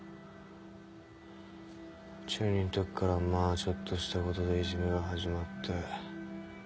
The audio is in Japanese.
中２んときからまあちょっとしたことでいじめが始まって。